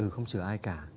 không chừa ai cả